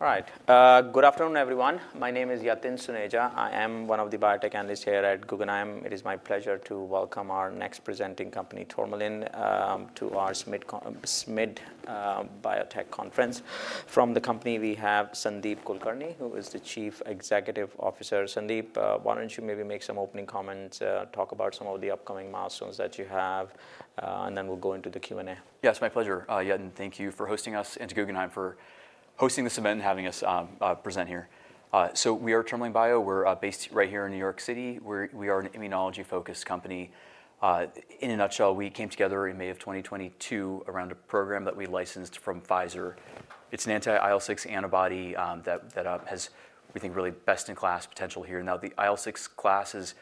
All right. Good afternoon, everyone. My name is Yatin Suneja. I am one of the biotech analysts here at Guggenheim. It is my pleasure to welcome our next presenting company, Tourmaline, to our SMID Biotech Conference. From the company, we have Sandeep Kulkarni, who is the Chief Executive Officer. Sandeep, why don't you maybe make some opening comments, talk about some of the upcoming milestones that you have, and then we'll go into the Q&A. Yes, my pleasure, Yatin. Thank you for hosting us and to Guggenheim for hosting this event and having us present here. So we are Tourmaline Bio. We're based right here in New York City. We are an immunology-focused company. In a nutshell, we came together in May of 2022 around a program that we licensed from Pfizer. It's an anti-IL-6 antibody that has, we think, really best-in-class potential here. Now, the IL-6 class has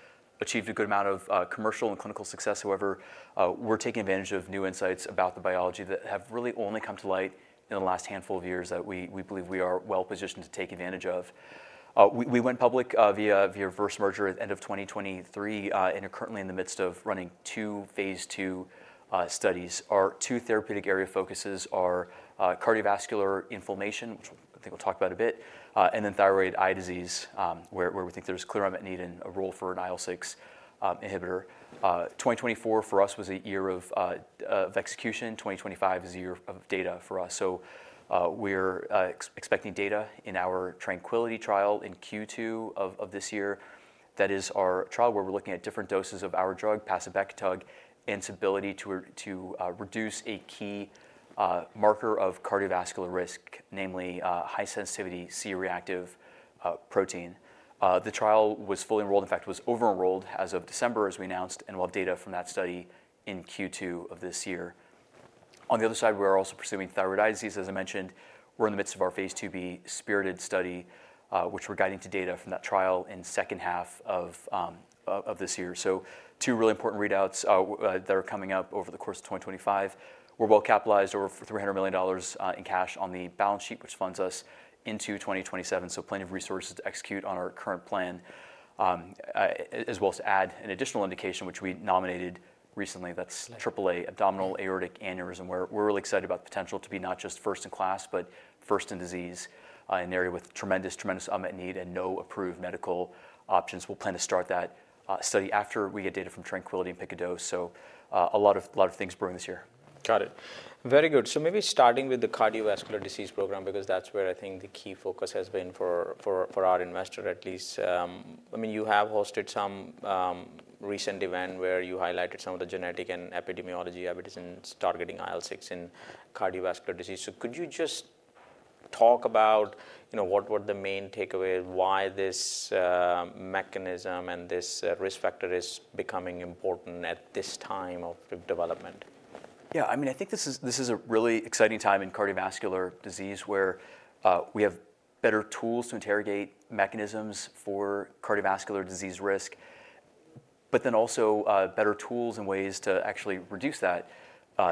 achieved a good amount of commercial and clinical success. However, we're taking advantage of new insights about the biology that have really only come to light in the last handful of years that we believe we are well-positioned to take advantage of. We went public via a first merger at the end of 2023 and are currently in the midst of running two phase II studies. Our two therapeutic area focuses are cardiovascular inflammation, which I think we'll talk about a bit, and then thyroid eye disease, where we think there's clear imminent need and a role for an IL-6 inhibitor. 2024 for us was a year of execution. 2025 is a year of data for us. So we're expecting data in our TRANQUILITY trial in Q2 of this year. That is our trial where we're looking at different doses of our drug, pacibekitug, and its ability to reduce a key marker of cardiovascular risk, namely high-sensitivity C-reactive protein. The trial was fully enrolled. In fact, it was over-enrolled as of December, as we announced, and we'll have data from that study in Q2 of this year. On the other side, we are also pursuing thyroid eye disease. As I mentioned, we're in the midst of our phase II-B spiriTED study, which we're guiding to data from that trial in the second half of this year, so two really important readouts that are coming up over the course of 2025. We're well-capitalized over $300 million in cash on the balance sheet, which funds us into 2027, so plenty of resources to execute on our current plan, as well as to add an additional indication, which we nominated recently. That's AAA, abdominal aortic aneurysm, where we're really excited about the potential to be not just first in class, but first in disease in an area with tremendous, tremendous imminent need and no approved medical options. We'll plan to start that study after we get data from TRANQUILITY and pick a dose, so a lot of things brewing this year. Got it. Very good. So maybe starting with the cardiovascular disease program, because that's where I think the key focus has been for our investor, at least. I mean, you have hosted some recent events where you highlighted some of the genetic and epidemiology evidence targeting IL-6 in cardiovascular disease. So could you just talk about what were the main takeaways, why this mechanism and this risk factor is becoming important at this time of development? Yeah, I mean, I think this is a really exciting time in cardiovascular disease where we have better tools to interrogate mechanisms for cardiovascular disease risk, but then also better tools and ways to actually reduce that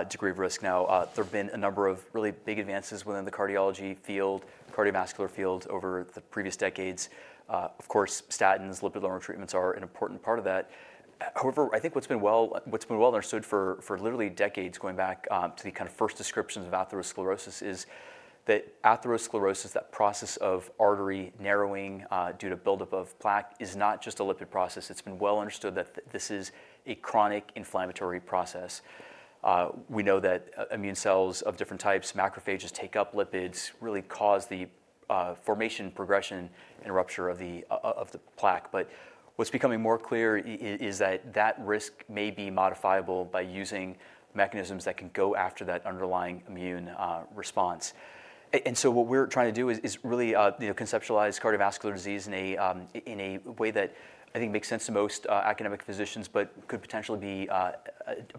degree of risk. Now, there have been a number of really big advances within the cardiology field, cardiovascular field over the previous decades. Of course, statins, lipid-lowering treatments are an important part of that. However, I think what's been well understood for literally decades, going back to the kind of first descriptions of atherosclerosis, is that atherosclerosis, that process of artery narrowing due to buildup of plaque, is not just a lipid process. It's been well understood that this is a chronic inflammatory process. We know that immune cells of different types, macrophages, take up lipids, really cause the formation, progression, and rupture of the plaque. But what's becoming more clear is that that risk may be modifiable by using mechanisms that can go after that underlying immune response. And so what we're trying to do is really conceptualize cardiovascular disease in a way that I think makes sense to most academic physicians, but could potentially be a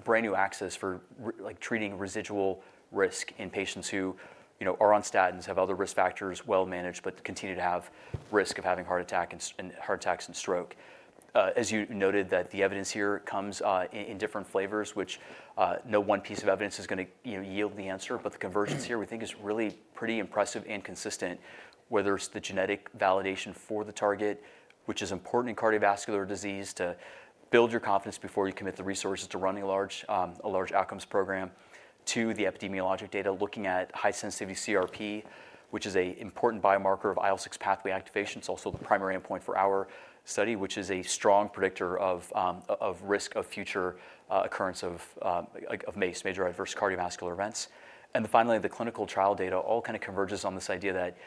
brand new access for treating residual risk in patients who are on statins, have other risk factors well managed, but continue to have risk of having heart attacks and stroke. As you noted, that the evidence here comes in different flavors, which no one piece of evidence is going to yield the answer. The convergence here, we think, is really pretty impressive and consistent, whether it's the genetic validation for the target, which is important in cardiovascular disease, to build your confidence before you commit the resources to running a large outcomes program, to the epidemiologic data, looking at high-sensitivity CRP, which is an important biomarker of IL-6 pathway activation. It's also the primary endpoint for our study, which is a strong predictor of risk of future occurrence of major adverse cardiovascular events, and finally, the clinical trial data all kind of converges on this idea that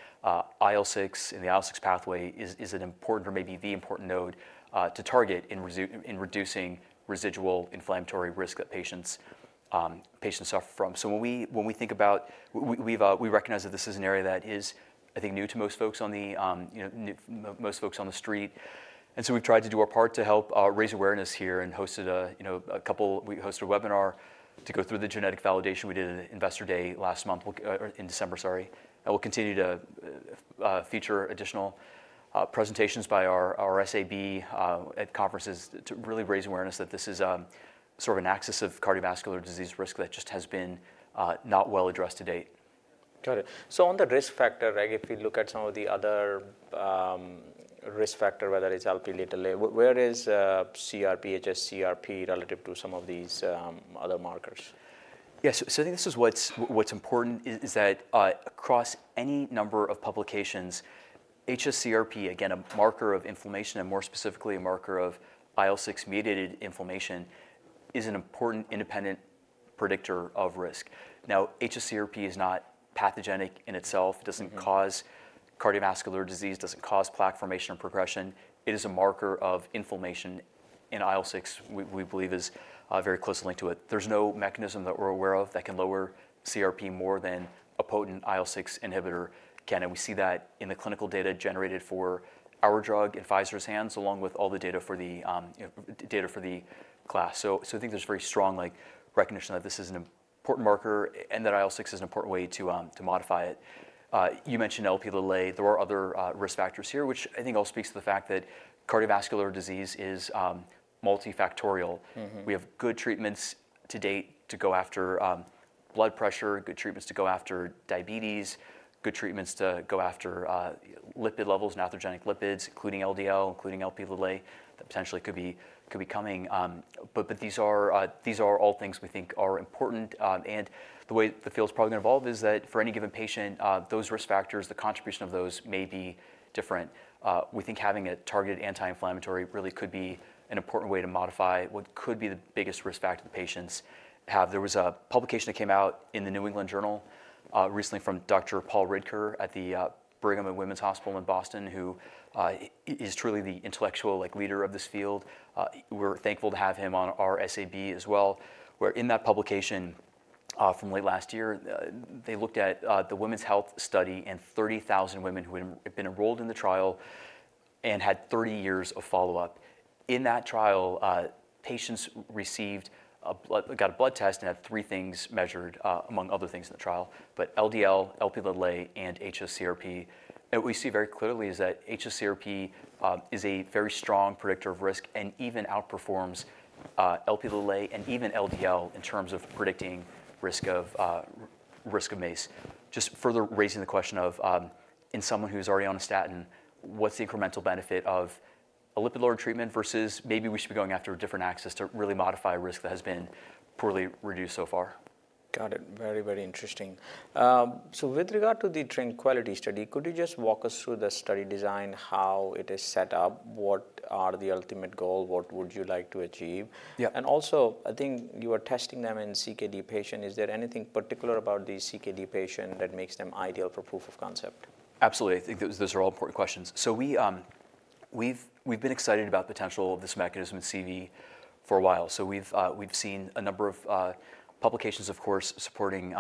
IL-6 and the IL-6 pathway is an important or maybe the important node to target in reducing residual inflammatory risk that patients suffer from, so when we think about, we recognize that this is an area that is, I think, new to most folks on the street. So we've tried to do our part to help raise awareness here and hosted a webinar to go through the genetic validation. We did an Investor Day last month in December, sorry. We'll continue to feature additional presentations by our SAB at conferences to really raise awareness that this is sort of an axis of cardiovascular disease risk that just has been not well addressed to date. Got it, so on the risk factor, if we look at some of the other risk factors, whether it's Lp(a), where is CRP, hsCRP relative to some of these other markers? Yes. So I think this is what's important is that across any number of publications, hsCRP, again, a marker of inflammation and more specifically a marker of IL-6 mediated inflammation, is an important independent predictor of risk. Now, hsCRP is not pathogenic in itself. It doesn't cause cardiovascular disease, doesn't cause plaque formation or progression. It is a marker of inflammation. In IL-6, we believe, is very closely linked to it. There's no mechanism that we're aware of that can lower CRP more than a potent IL-6 inhibitor can. And we see that in the clinical data generated for our drug in Pfizer's hands, along with all the data for the class. So I think there's very strong recognition that this is an important marker and that IL-6 is an important way to modify it. You mentioned Lp(a). There are other risk factors here, which I think all speaks to the fact that cardiovascular disease is multifactorial. We have good treatments to date to go after blood pressure, good treatments to go after diabetes, good treatments to go after lipid levels and atherogenic lipids, including LDL, including Lp(a) that potentially could be coming. But these are all things we think are important. And the way the field's probably going to evolve is that for any given patient, those risk factors, the contribution of those may be different. We think having a targeted anti-inflammatory really could be an important way to modify what could be the biggest risk factor the patients have. There was a publication that came out in the New England Journal recently from Dr. Paul Ridker at the Brigham and Women's Hospital in Boston, who is truly the intellectual leader of this field. We're thankful to have him on our SAB as well. In that publication from late last year, they looked at the Women's Health Study and 30,000 women who had been enrolled in the trial and had 30 years of follow-up. In that trial, patients received a blood test and had three things measured, among other things in the trial, but LDL, Lp(a), and hsCRP. And what we see very clearly is that hsCRP is a very strong predictor of risk and even outperforms Lp(a) and even LDL in terms of predicting risk of MACE. Just further raising the question of, in someone who is already on a statin, what's the incremental benefit of a lipid-lowering treatment versus maybe we should be going after a different axis to really modify risk that has been poorly reduced so far? Got it. Very, very interesting. So with regard to the TRANQUILITY study, could you just walk us through the study design, how it is set up, what are the ultimate goal, what would you like to achieve? And also, I think you are testing them in CKD patients. Is there anything particular about the CKD patient that makes them ideal for proof of concept? Absolutely. I think those are all important questions. So we've been excited about the potential of this mechanism in CV for a while. So we've seen a number of publications, of course, supporting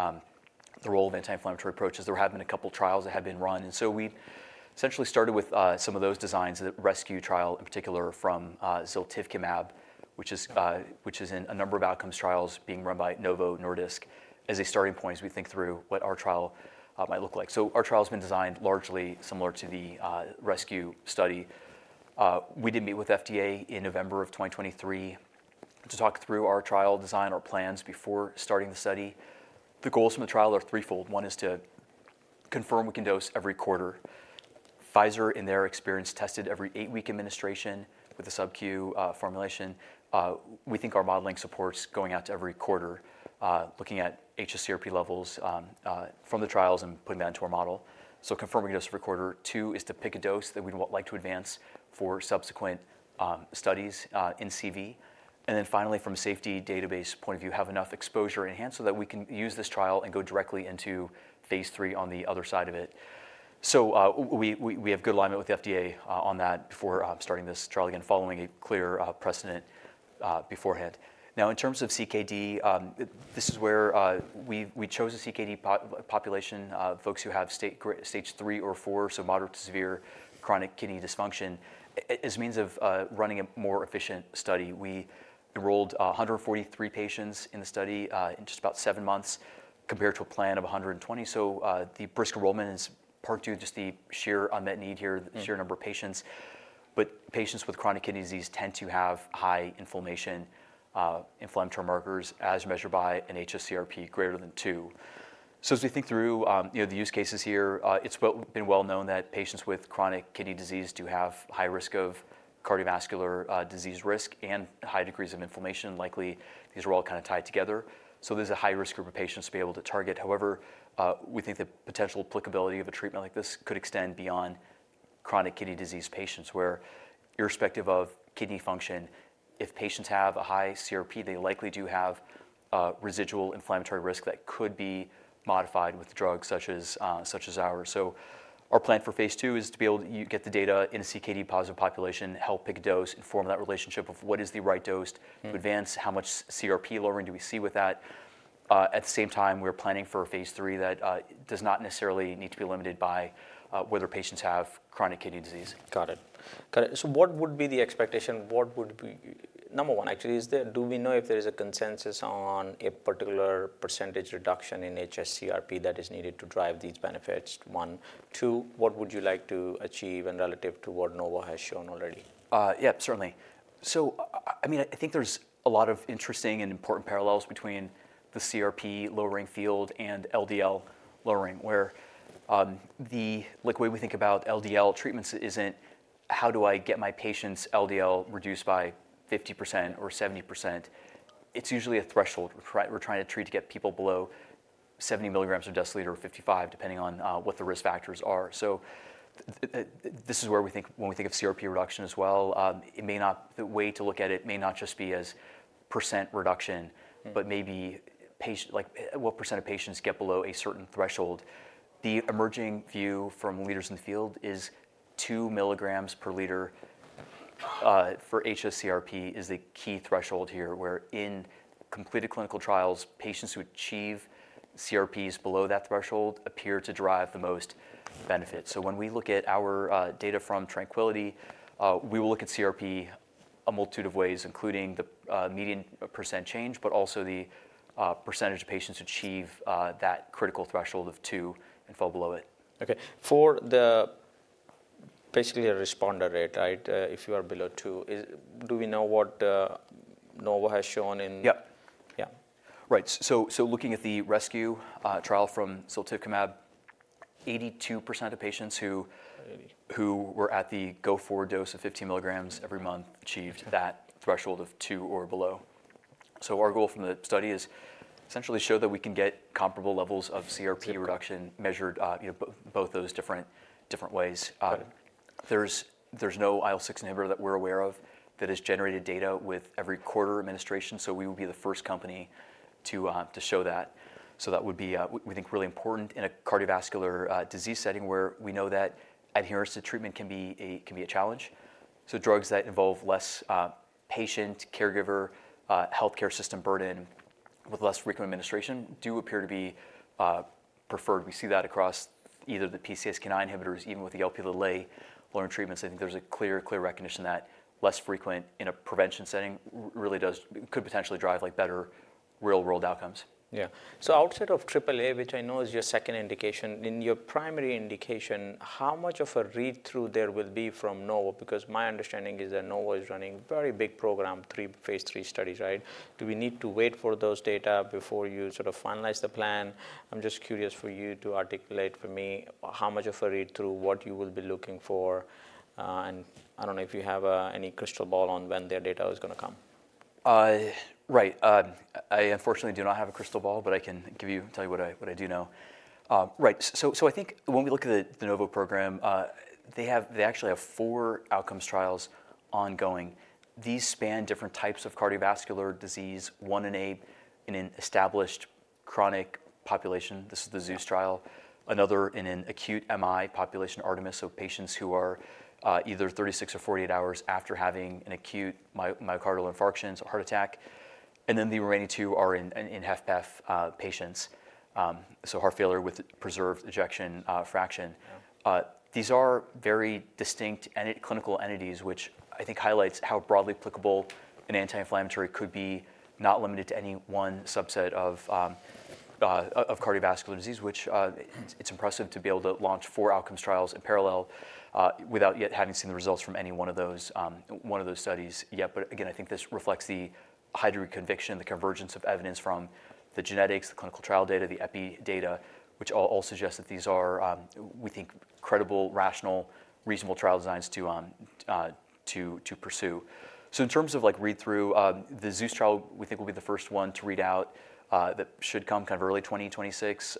the role of anti-inflammatory approaches. There have been a couple of trials that have been run. And so we essentially started with some of those designs, the RESCUE trial in particular from ziltivekimab, which is in a number of outcomes trials being run by Novo Nordisk as a starting point as we think through what our trial might look like. So our trial has been designed largely similar to the RESCUE study. We did meet with FDA in November of 2023 to talk through our trial design, our plans before starting the study. The goals from the trial are threefold. One is to confirm we can dose every quarter. Pfizer, in their experience, tested every eight-week administration with a sub-Q formulation. We think our modeling supports going out to every quarter, looking at hsCRP levels from the trials and putting that into our model. So confirming we can dose every quarter. Two is to pick a dose that we'd like to advance for subsequent studies in CV. And then finally, from a safety database point of view, have enough exposure in hand so that we can use this trial and go directly into phase III on the other side of it. So we have good alignment with the FDA on that before starting this trial again, following a clear precedent beforehand. Now, in terms of CKD, this is where we chose a CKD population, folks who have stage 3 or 4, so moderate to severe chronic kidney dysfunction. As a means of running a more efficient study, we enrolled 143 patients in the study in just about seven months compared to a plan of 120. So the brisk enrollment is part due to just the sheer unmet need here, the sheer number of patients. But patients with chronic kidney disease tend to have high inflammatory markers as measured by an hsCRP greater than two. So as we think through the use cases here, it's been well known that patients with chronic kidney disease do have high risk of cardiovascular disease and high degrees of inflammation. Likely, these are all kind of tied together. So there's a high risk group of patients to be able to target. However, we think the potential applicability of a treatment like this could extend beyond chronic kidney disease patients, where irrespective of kidney function, if patients have a high CRP, they likely do have residual inflammatory risk that could be modified with drugs such as ours. So our plan for phase II is to be able to get the data in a CKD-positive population, help pick a dose, inform that relationship of what is the right dose to advance, how much CRP lowering do we see with that. At the same time, we're planning for phase III that does not necessarily need to be limited by whether patients have chronic kidney disease. Got it. Got it. So what would be the expectation? Number one, actually, is that do we know if there is a consensus on a particular percentage reduction in hsCRP that is needed to drive these benefits? One. Two, what would you like to achieve relative to what Novo has shown already? Yeah, certainly. So I mean, I think there's a lot of interesting and important parallels between the CRP lowering field and LDL lowering, where the way we think about LDL treatments isn't how do I get my patients' LDL reduced by 50% or 70%. It's usually a threshold. We're trying to treat to get people below 70 milligrams per deciliter or 55, depending on what the risk factors are. So this is where we think when we think of CRP reduction as well, the way to look at it may not just be as percent reduction, but maybe what percent of patients get below a certain threshold. The emerging view from leaders in the field is two milligrams per liter for hsCRP is the key threshold here, where in completed clinical trials, patients who achieve hsCRPs below that threshold appear to drive the most benefit. So when we look at our data from TRANQUILITY, we will look at CRP a multitude of ways, including the median percent change, but also the percentage of patients who achieve that critical threshold of two and fall below it. Okay. For the basically a responder rate, right, if you are below two, do we know what Novo has shown in? Yeah. Yeah. Right. So looking at the RESCUE trial from ziltivekimab, 82% of patients who were at the go-forward dose of 15 milligrams every month achieved that threshold of two or below. So our goal from the study is essentially to show that we can get comparable levels of CRP reduction measured both those different ways. There's no IL-6 inhibitor that we're aware of that has generated data with every quarter administration. So we will be the first company to show that. So that would be, we think, really important in a cardiovascular disease setting where we know that adherence to treatment can be a challenge. So drugs that involve less patient, caregiver, healthcare system burden with less frequent administration do appear to be preferred. We see that across either the PCSK9 inhibitors, even with the Lp(a) lowering treatments. I think there's a clear recognition that less frequent in a prevention setting really could potentially drive better real-world outcomes. Yeah. So outside of AAA, which I know is your second indication, in your primary indication, how much of a read-through there will be from Novo? Because my understanding is that Novo is running a very big program, three phase III studies, right? Do we need to wait for those data before you sort of finalize the plan? I'm just curious for you to articulate for me how much of a read-through, what you will be looking for, and I don't know if you have any crystal ball on when their data is going to come. Right. I unfortunately do not have a crystal ball, but I can tell you what I do know. Right. So I think when we look at the Novo program, they actually have four outcomes trials ongoing. These span different types of cardiovascular disease, one in an established chronic population. This is the ZEUS trial. Another in an acute MI population, ARTEMIS, so patients who are either 36 or 48 hours after having an acute myocardial infarction, so heart attack. And then the remaining two are in HFpEF patients, so heart failure with preserved ejection fraction. These are very distinct clinical entities, which I think highlights how broadly applicable an anti-inflammatory could be, not limited to any one subset of cardiovascular disease, which it's impressive to be able to launch four outcomes trials in parallel without yet having seen the results from any one of those studies yet. But again, I think this reflects the high degree of conviction, the convergence of evidence from the genetics, the clinical trial data, the EPI data, which all suggest that these are, we think, credible, rational, reasonable trial designs to pursue. So in terms of read-through, the ZEUS trial we think will be the first one to read out that should come kind of early 2026.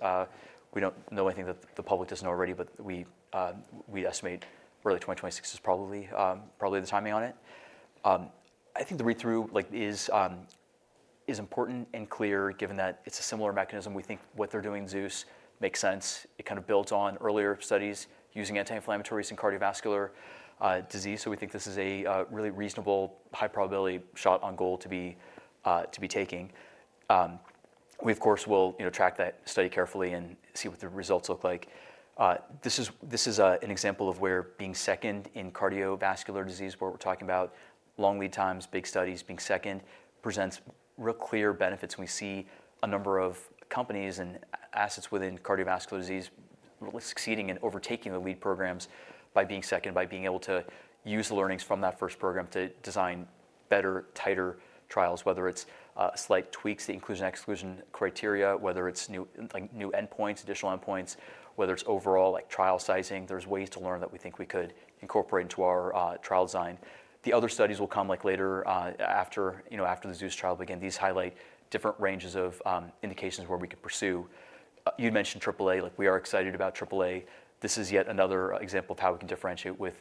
We don't know anything that the public doesn't know already, but we estimate early 2026 is probably the timing on it. I think the read-through is important and clear given that it's a similar mechanism. We think what they're doing in ZEUS makes sense. It kind of builds on earlier studies using anti-inflammatories in cardiovascular disease. So we think this is a really reasonable, high-probability shot on goal to be taking. We, of course, will track that study carefully and see what the results look like. This is an example of where being second in cardiovascular disease, where we're talking about long lead times, big studies, being second presents real clear benefits. We see a number of companies and assets within cardiovascular disease really succeeding in overtaking the lead programs by being second, by being able to use the learnings from that first program to design better, tighter trials, whether it's slight tweaks, the inclusion-exclusion criteria, whether it's new endpoints, additional endpoints, whether it's overall trial sizing. There's ways to learn that we think we could incorporate into our trial design. The other studies will come later after the ZEUS trial begin. These highlight different ranges of indications where we could pursue. You had mentioned AAA. We are excited about AAA. This is yet another example of how we can differentiate with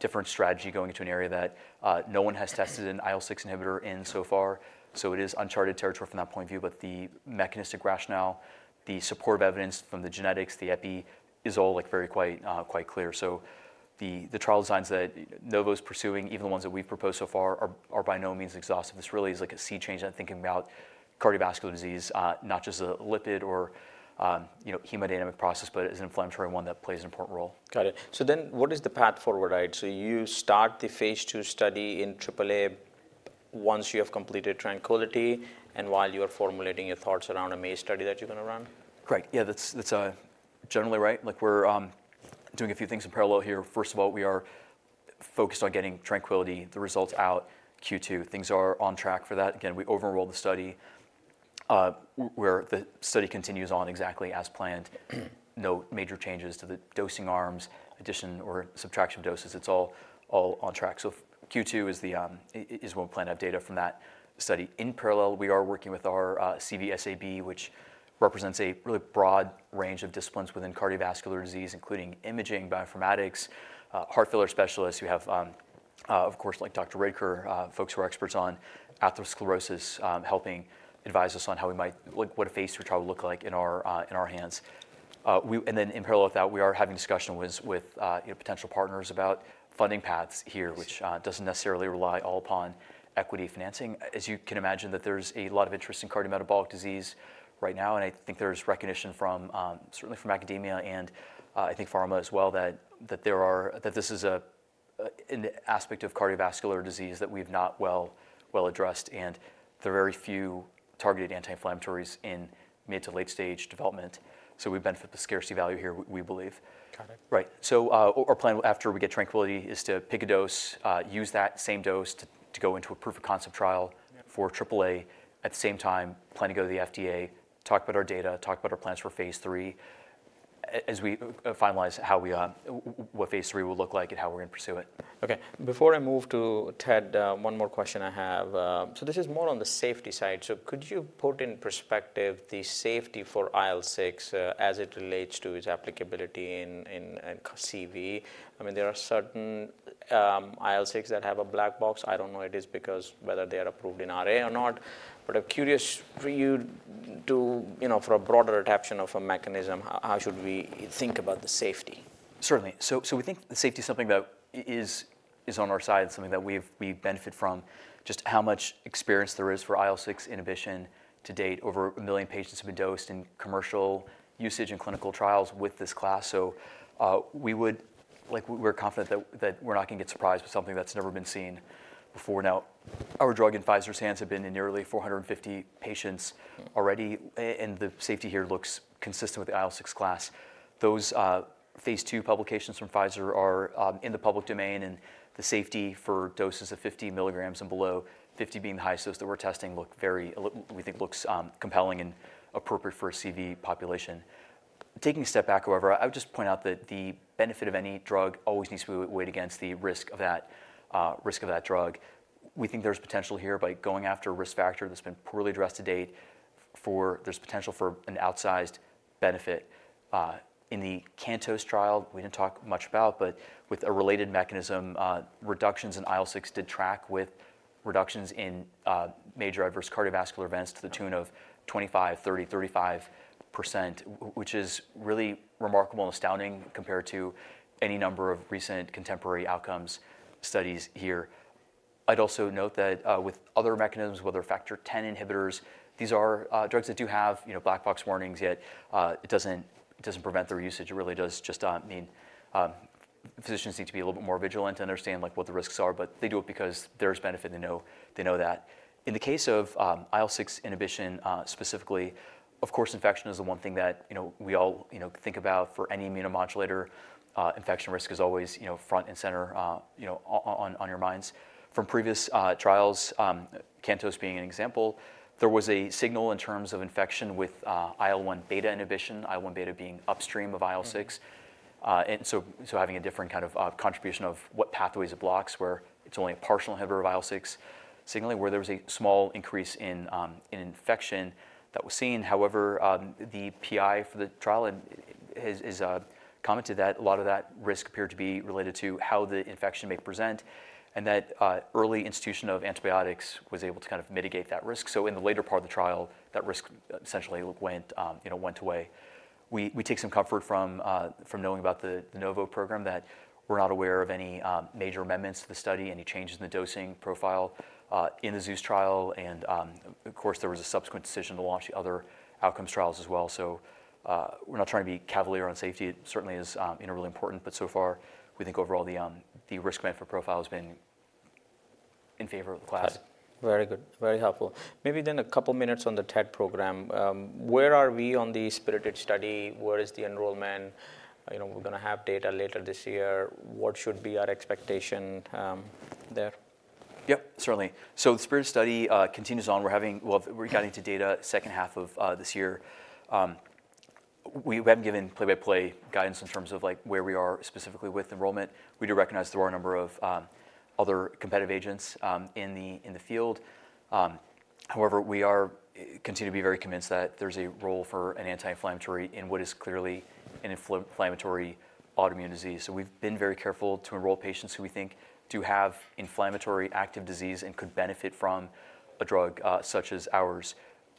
different strategy going into an area that no one has tested an IL-6 inhibitor in so far. So it is uncharted territory from that point of view, but the mechanistic rationale, the support of evidence from the genetics, the EPI, is all very quite clear. So the trial designs that Novo is pursuing, even the ones that we've proposed so far, are by no means exhaustive. This really is like a sea change in thinking about cardiovascular disease, not just a lipid or hemodynamic process, but as an inflammatory one that plays an important role. Got it. So then what is the path forward, right? So you start the phase II study in AAA once you have completed TRANQUILITY, and while you are formulating your thoughts around a MACE study that you're going to run? Right. Yeah, that's generally right. We're doing a few things in parallel here. First of all, we are focused on getting TRANQUILITY, the results out Q2. Things are on track for that. Again, we over-enrolled the study where the study continues on exactly as planned. No major changes to the dosing arms, addition or subtraction of doses. It's all on track. So Q2 is when we plan to have data from that study. In parallel, we are working with our CV SAB, which represents a really broad range of disciplines within cardiovascular disease, including imaging, bioinformatics, heart failure specialists. We have, of course, like Dr. Ridker, folks who are experts on atherosclerosis helping advise us on what a phase III trial would look like in our hands. And then in parallel with that, we are having discussions with potential partners about funding paths here, which doesn't necessarily rely all upon equity financing. As you can imagine, there's a lot of interest in cardiometabolic disease right now. And I think there's recognition certainly from academia and I think pharma as well that this is an aspect of cardiovascular disease that we've not well addressed. And there are very few targeted anti-inflammatories in mid to late-stage development. So we benefit the scarcity value here, we believe. Got it. Right. So our plan after we get TRANQUILITY is to pick a dose, use that same dose to go into a proof of concept trial for AAA at the same time, plan to go to the FDA, talk about our data, talk about our plans for phase III as we finalize what phase III will look like and how we're going to pursue it. Okay. Before I move to TED, one more question I have. So this is more on the safety side. So could you put in perspective the safety for IL-6 as it relates to its applicability in CV? I mean, there are certain IL-6 that have a black box. I don't know it is because whether they are approved in RA or not. But I'm curious for you to, for a broader adoption of a mechanism, how should we think about the safety? Certainly, so we think the safety is something that is on our side and something that we benefit from, just how much experience there is for IL-6 inhibition to date. Over a million patients have been dosed in commercial usage and clinical trials with this class, so we're confident that we're not going to get surprised with something that's never been seen before. Now, our drug in Pfizer's hands has been in nearly 450 patients already, and the safety here looks consistent with the IL-6 class. Those phase II publications from Pfizer are in the public domain, and the safety for doses of 50 milligrams and below, 50 being the highest dose that we're testing, we think looks compelling and appropriate for a CV population. Taking a step back, however, I would just point out that the benefit of any drug always needs to be weighed against the risk of that drug. We think there's potential here by going after a risk factor that's been poorly addressed to date. There's potential for an outsized benefit. In the CANTOS trial, we didn't talk much about, but with a related mechanism, reductions in IL-6 did track with reductions in major adverse cardiovascular events to the tune of 25%, 30%, 35%, which is really remarkable and astounding compared to any number of recent contemporary outcomes studies here. I'd also note that with other mechanisms, whether factor Xa inhibitors, these are drugs that do have black box warnings, yet it doesn't prevent their usage. It really does just mean physicians need to be a little bit more vigilant and understand what the risks are. But they do it because there's benefit. They know that. In the case of IL-6 inhibition specifically, of course, infection is the one thing that we all think about for any immunomodulator. Infection risk is always front and center on your minds. From previous trials, CANTOS being an example, there was a signal in terms of infection with IL-1 beta inhibition, IL-1 beta being upstream of IL-6. And so having a different kind of contribution of what pathways it blocks, where it's only a partial inhibitor of IL-6 signaling where there was a small increase in infection that was seen. However, the PI for the trial has commented that a lot of that risk appeared to be related to how the infection may present and that early institution of antibiotics was able to kind of mitigate that risk. So in the later part of the trial, that risk essentially went away. We take some comfort from knowing about the Novo program that we're not aware of any major amendments to the study, any changes in the dosing profile in the ZEUS trial. And of course, there was a subsequent decision to launch the other outcomes trials as well. So we're not trying to be cavalier on safety. It certainly is really important. But so far, we think overall the risk benefit profile has been in favor of the class. Very good. Very helpful. Maybe then a couple of minutes on the TED program. Where are we on the spiriTED study? Where is the enrollment? We're going to have data later this year. What should be our expectation there? Yep, certainly. So the spiriTED study continues on. We're getting to data second half of this year. We haven't given play-by-play guidance in terms of where we are specifically with enrollment. We do recognize there are a number of other competitive agents in the field. However, we continue to be very convinced that there's a role for an anti-inflammatory in what is clearly an inflammatory autoimmune disease. So we've been very careful to enroll patients who we think do have inflammatory active disease and could benefit from a drug such as ours.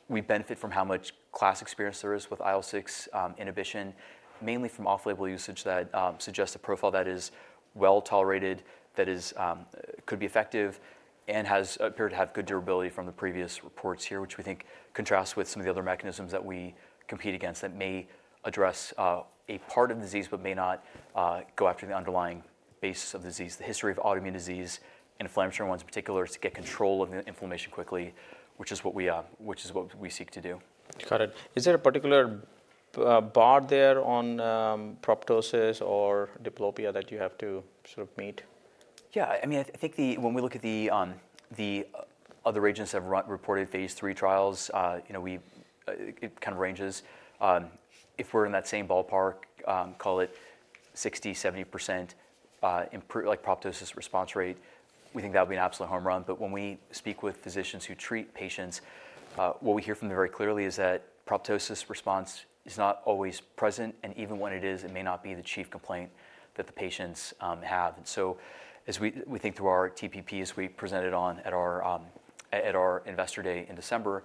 We benefit from how much class experience there is with IL-6 inhibition, mainly from off-label usage that suggests a profile that is well tolerated, that could be effective, and has appeared to have good durability from the previous reports here, which we think contrasts with some of the other mechanisms that we compete against that may address a part of the disease but may not go after the underlying basis of the disease. The history of autoimmune disease, inflammatory ones in particular, is to get control of the inflammation quickly, which is what we seek to do. Got it. Is there a particular bar there on proptosis or diplopia that you have to sort of meet? Yeah. I mean, I think when we look at the other agents that have reported phase III trials, it kind of ranges. If we're in that same ballpark, call it 60%-70% proptosis response rate, we think that would be an absolute home run. But when we speak with physicians who treat patients, what we hear from them very clearly is that proptosis response is not always present, and even when it is, it may not be the chief complaint that the patients have. And so, as we think through our TPPs, we presented on at our Investor Day in December.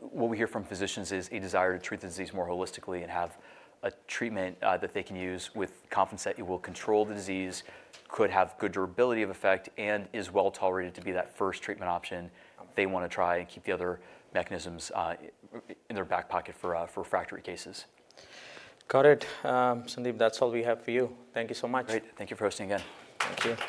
What we hear from physicians is a desire to treat the disease more holistically and have a treatment that they can use with confidence that it will control the disease, could have good durability of effect, and is well tolerated to be that first treatment option they want to try and keep the other mechanisms in their back pocket for refractory cases. Got it. Sandeep, that's all we have for you. Thank you so much. Great. Thank you for hosting again. Thank you.